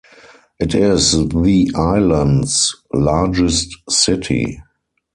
It is the island's largest city.